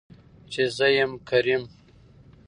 چې زه يمه کريم .